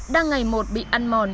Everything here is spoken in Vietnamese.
đang ngày một bị ăn mòn